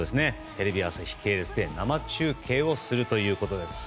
テレビ朝日系列で生中継するということです。